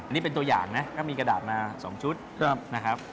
นี่เป็นตัวอย่างนะก็มีกระดาษมา๒ชุดนะครับ